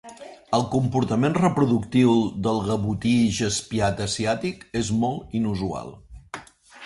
El comportament reproductiu del gavotí jaspiat asiàtic és molt inusual.